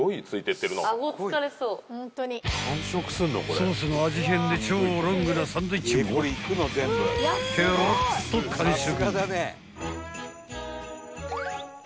［ソースの味変で超ロングなサンドイッチもペロッと完食］